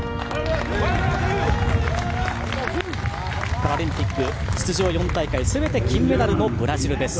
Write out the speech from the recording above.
パラリンピック出場４大会すべて金メダルのブラジルです。